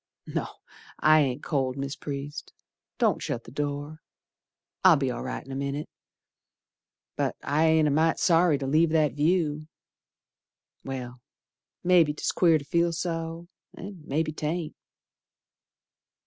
No. I ain't cold, Mis' Priest, Don't shut th' door. I'll be all right in a minit. But I ain't a mite sorry to leave that view. Well, mebbe 'tis queer to feel so, An' mebbe 'taint.